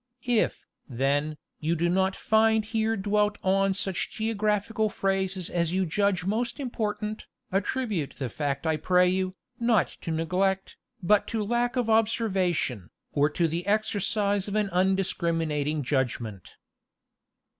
If, then, you do not find here dwelt on such geographical phases as you judge most important, attribute the fact I pray you, not to neglect, but to lack of observation, or to the exercise of an undiscriminating judgment.